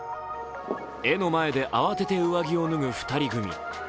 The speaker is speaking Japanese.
絵の前で慌てて上着を脱ぐ２人組。